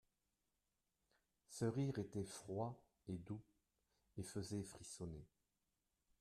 Ce rire était froid et doux, et faisait frissonner.